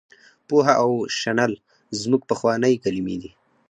پوهه او شنل زموږ پخوانۍ کلمې دي.